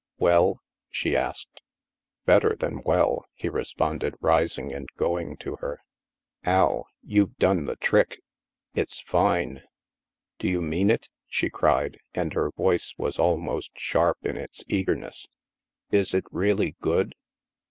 "Well?" she asked. " Better than well," he responded, rising and go ing to her. " Al, you've done the trick ! It's fine." " Do you mean it ?" she cried, and her voice was almost sharp in its eagerness. " Is it really good